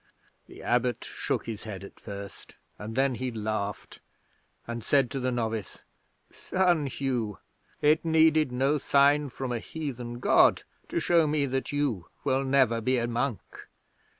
'The Abbot shook his head at first, and then he laughed and said to the novice: "Son Hugh, it needed no sign from a heathen God to show me that you will never be a monk.